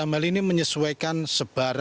agar mencalonkan lancarnya